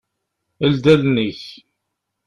Ldi allen-ik.